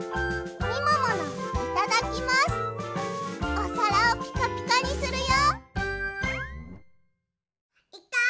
おさらをピカピカにするよ。